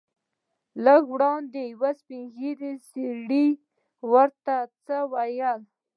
لږ وړاندې یو بل سپین ږیری ورته څه وویل.